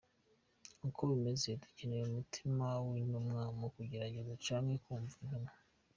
Uko bimeze, dukeneye umutima w’intumwa mu gutegera canke kwumva intumwa.